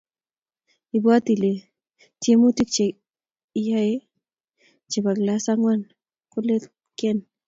ibwaat ile tiwmutik che ike che klasit angwan kolekiten